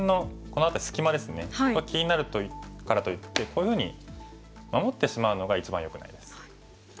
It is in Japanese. これ気になるからといってこういうふうに守ってしまうのが一番よくないです。